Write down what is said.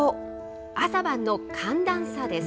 朝晩の寒暖差です。